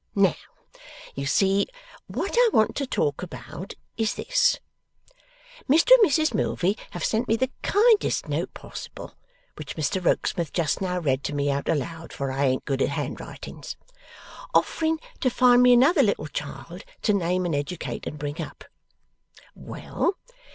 Now, you see, what I want to talk about, is this. Mr and Mrs Milvey have sent me the kindest note possible (which Mr Rokesmith just now read to me out aloud, for I ain't good at handwritings), offering to find me another little child to name and educate and bring up. Well.